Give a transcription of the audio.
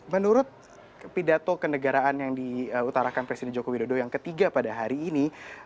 menurut pidato kendagaran yang diutarakan presiden jokowi dodo yang ketiga pada hari ini